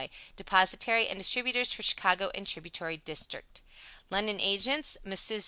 Depositary and Distributers for Chicago and tributary district. London Agents: Messrs.